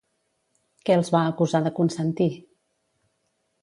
Què els va acusar de consentir?